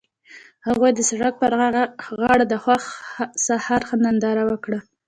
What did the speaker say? هغوی د سړک پر غاړه د خوښ سهار ننداره وکړه.